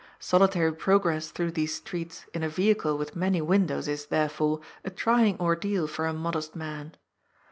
Solitary progress through these streets in a vehicle with many windows is, therefore, a trying ordeal for a modest man.